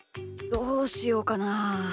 どうしようかなあ。